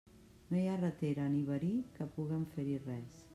No hi ha ratera ni verí que puguen fer-hi res.